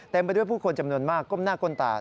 ไปด้วยผู้คนจำนวนมากก้มหน้าก้มตา